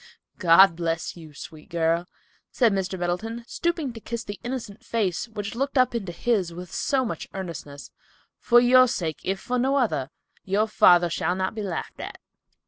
"God bless you, sweet girl," said Mr. Middleton, stooping to kiss the innocent face which looked up into his with so much earnestness. "For your sake, if for no other, your father shall not be laughed at."